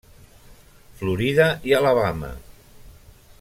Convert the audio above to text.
Florida i Alabama.